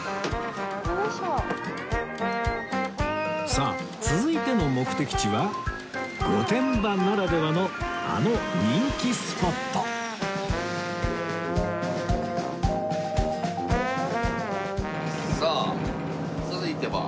さあ続いての目的地は御殿場ならではのあの人気スポットさあ続いては。